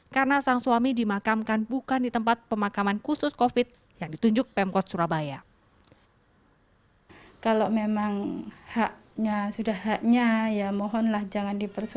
karena sang suami dimakamkan bukan di tempat pemakaman khusus covid sembilan belas yang ditunjuk pemkot surabaya